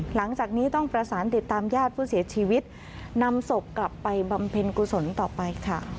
หลังจากนี้ต้องประสานติดตามญาติผู้เสียชีวิตนำศพกลับไปบำเพ็ญกุศลต่อไปค่ะ